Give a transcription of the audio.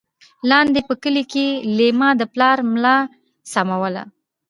لاندې په کلي کې لېلما د پلار ملا سولوله.